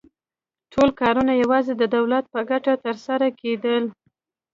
ټول کارونه یوازې د دولت په ګټه ترسره کېدل